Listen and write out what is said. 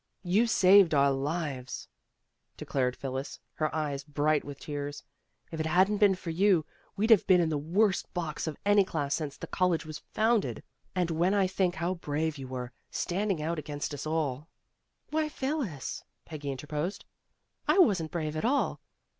"You've saved our lives," declared Phyllis, her eyes bright with tears. "If it hadn't been for you, we'd have been in the worst box of any class since the college was founded. And when I think how brave you were, standing out against us all " "Why, Phyllis," Peggy interposed, "I wasn't brave at all.